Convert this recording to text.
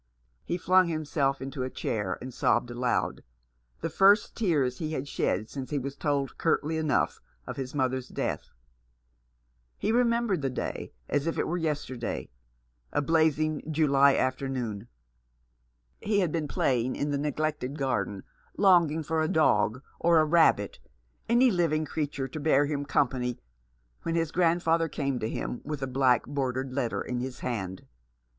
He flung himself into a chair and sobbed aloud — the first tears he had shed since he was told, curtly enough, of his mother's death. He remem bered the day as if it were yesterday ; a blazing 355 Rough Justice. July afternoon. He had been playing in the neglected garden, longing for a dog, or a rabbit, any living creature to bear him company, when his grandfather came to him with a black bordered letter in his hand.